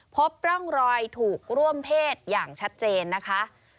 พบร่องรอยถูกร่วมเพศอย่างชัดเจนนะคะ